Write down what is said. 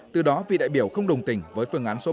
từ đó vị đại biểu không đồng tình với phương án số một